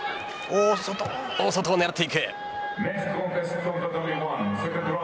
大外を狙っていく。